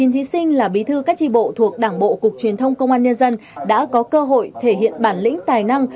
một mươi thí sinh là bí thư các tri bộ thuộc đảng bộ cục truyền thông công an nhân dân đã có cơ hội thể hiện bản lĩnh tài năng